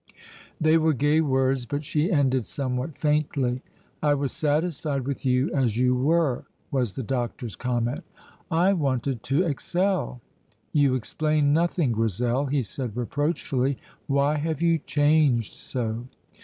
They were gay words, but she ended somewhat faintly. "I was satisfied with you as you were," was the doctor's comment. "I wanted to excel!" "You explain nothing, Grizel," he said reproachfully. "Why have you changed so?"